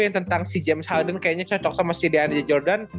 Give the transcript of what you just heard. yang tentang si james harden kayaknya cocok sama si deandre jordan